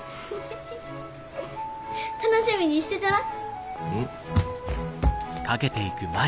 楽しみにしててな！